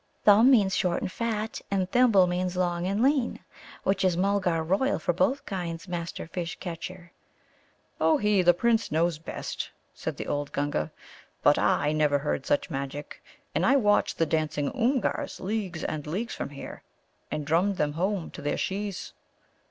"'Thumb' means short and fat, and 'Thimble' means long and lean, which is Mulgar royal for both kinds, Master Fish catcher." "Ohé! the Prince knows best," said the old Gunga; "but I never heard such magic. And I've watched the Dancing Oomgars leagues and leagues from here, and drummed them home to their Shes."